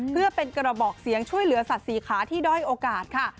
เพื่อเป็นกระบอกเสียงช่วยเหลือสัตว์สี่ขาที่ด้อยโอกาสค่ะ